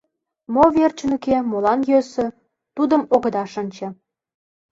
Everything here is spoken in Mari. Мо верчын уке, молан йӧсӧ — тудым огыда шинче.